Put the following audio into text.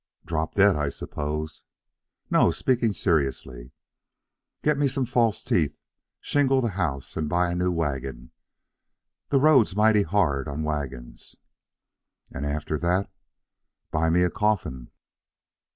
"Drop dead, I suppose." "No; speaking seriously." "Get me some false teeth, shingle the house, and buy a new wagon. The road's mighty hard on wagons." "And after that?" "Buy me a coffin."